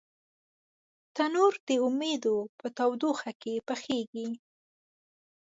تنور د امیدو په تودوخه کې پخېږي